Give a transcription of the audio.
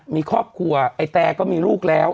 มีครอบครัวไอ้แตก็มีลูกแล้ว